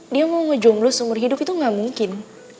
dia mau jomblos seumur hidup itu gak mungkin